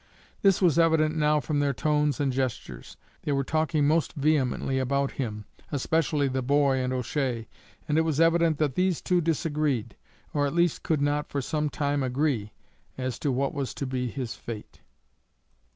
This was evident now from their tones and gestures. They were talking most vehemently about him, especially the boy and O'Shea, and it was evident that these two disagreed, or at least could not for some time agree, as to what was to be his fate.